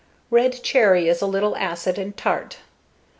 Red Cherry is a little acid and tart.